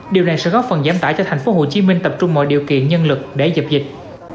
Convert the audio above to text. điều này sẽ góp phần giám tả cho thành phố hồ chí minh tập trung mọi điều kiện nhân lực để dập dịch